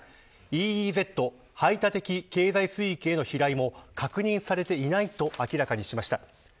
ＥＥＺ排他的経済水域への飛来も確認されていないと明らかにしました。